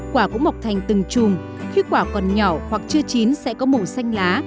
quả cũng mọc thành từng trùm khi quả còn nhỏ hoặc chưa chín sẽ có màu xanh lá